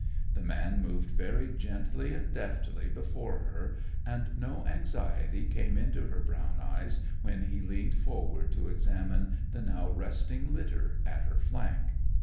The man moved very gently and deftly before her, and no anxiety came into her brown eyes when he leaned forward to examine the now resting litter at her flank.